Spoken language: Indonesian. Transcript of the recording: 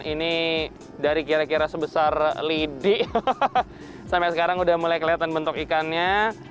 ini dari kira kira sebesar lidi sampai sekarang udah mulai kelihatan bentuk ikannya